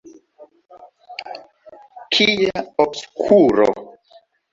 Kia obskuro!